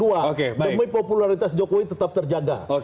demi popularitas jokowi tetap terjaga